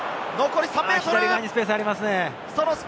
左にスペースありますね。